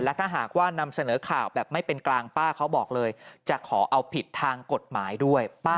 ถ้าหากว่านำเสนอข่าวแบบไม่เป็นกลางป้าเขาบอกเลยจะขอเอาผิดทางกฎหมายด้วย